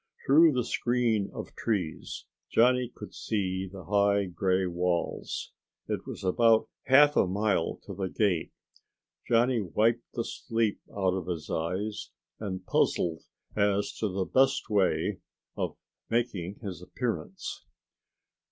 Through the screen of trees Johnny could see the high grey walls. It was about half a mile to the gate. Johnny wiped the sleep out of his eyes and puzzled as to the best way of making his appearance.